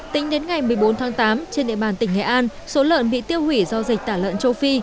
tính đến ngày một mươi bốn tháng tám trên địa bàn tỉnh nghệ an số lợn bị tiêu hủy do dịch tả lợn châu phi